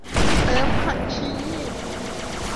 เติมผักชี